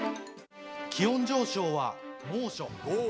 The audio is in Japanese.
気温上昇は猛暑。